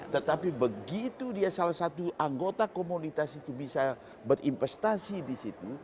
tetapi begitu dia salah satu anggota komunitas itu bisa berinvestasi di situ